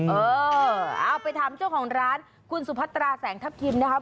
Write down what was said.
เออเอาไปถามเจ้าของร้านคุณสุพัตราแสงทัพทิมนะครับ